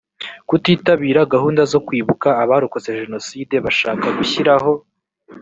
kutitabira gahunda zo kwibuka abarokotse jenoside bashaka gushyiraho